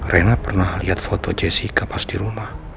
rena pernah lihat foto jessica pas di rumah